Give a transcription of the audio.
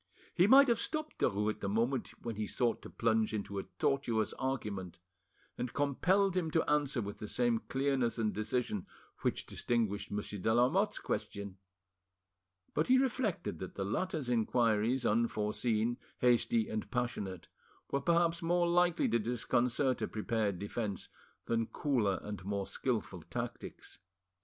He might have stopped Derues at the moment when he sought to plunge into a tortuous argument, and compelled him to answer with the same clearness and decision which distinguished Monsieur de Lamotte's question; but he reflected that the latter's inquiries, unforeseen, hasty, and passionate, were perhaps more likely to disconcert a prepared defence than cooler and more skilful tactics.